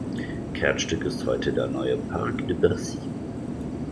Kernstück ist heute der neue Park de Bercy.